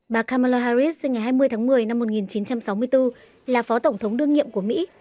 bà kamala harris sinh ngày hai mươi tháng một mươi năm một nghìn chín trăm sáu mươi bốn là phó tổng thống đương nhiệm của mỹ